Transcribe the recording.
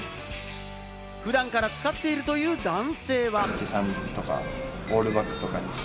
普段から使っているという男性は。